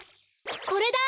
これだ！